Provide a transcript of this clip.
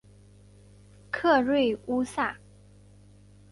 克瑞乌萨。